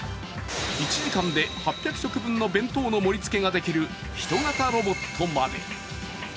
１時間で８００食の弁当の盛り付けができるヒト型ロボットまで。